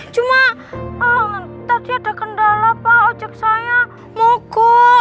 cuma tadi ada kendala pak ojek saya mogok